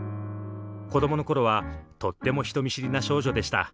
子どもの頃はとっても人見知りな少女でした。